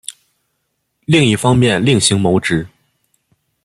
另一方面另行谋职